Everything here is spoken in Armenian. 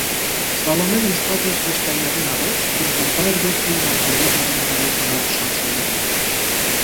Սալոմեն նստած էր հեշտաեռի առաջ և գուլպա էր գործում մատների զարմանալի արագ շարժումներով: